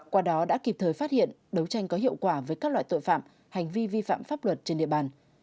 qua đó đã kịp thời phát hiện đấu tranh có hiệu quả với các loại tội phạm hành vi vi phạm pháp luật trên địa bàn